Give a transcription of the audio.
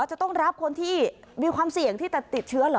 จะต้องรับคนที่มีความเสี่ยงที่จะติดเชื้อเหรอ